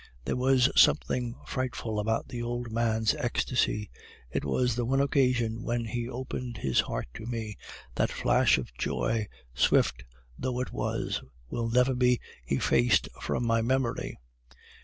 "There was something frightful about the old man's ecstasy. It was the one occasion when he opened his heart to me; and that flash of joy, swift though it was, will never be effaced from my memory.